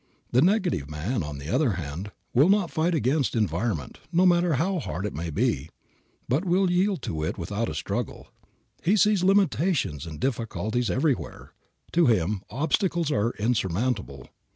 The negative man, on the other hand, will not fight against environment, no matter how hard it may be, but will yield to it without a struggle. He sees limitations and difficulties everywhere. To him obstacles are insurmountable.